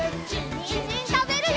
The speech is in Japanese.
にんじんたべるよ！